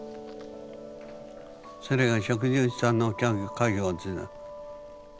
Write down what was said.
それが職人さんの家業を継いだ。